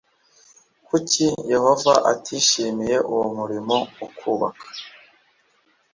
Kuki Yehova atishimiye uwo murimo wo kubaka